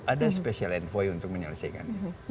ada special envoy untuk menyelesaikan ini